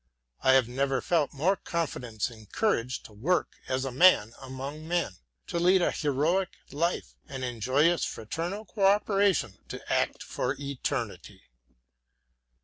I have never felt more confidence and courage to work as a man among men, to lead a heroic life, and in joyous fraternal coöperation to act for eternity.